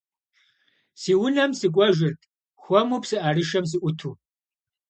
Сэ унэм сыкӀуэжырт хуэму псыӀэрышэм сыӀуту.